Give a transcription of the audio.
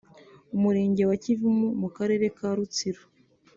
umurenge wa Kivumu mu karere ka Rutsiro